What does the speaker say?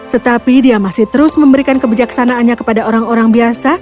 tetapi dia masih terus memberikan kebijaksanaannya kepada orang orang biasa